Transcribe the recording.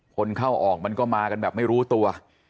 คนเข้าออกมันก็มากันแบบไม่รู้ตัว